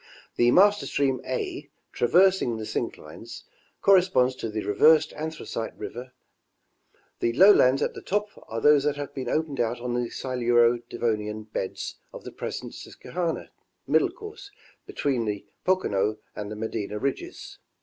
The master stream, A, ti a versing the synclines, corresponds to the reversed Anthracite river ; the lowlands at the top are those that have been opened out on the Siluro Devonian beds of the The Rmers and Valleys of Pennsylvania. 235 present Siisquehanna middle course between the Pocono and the Medina ridges.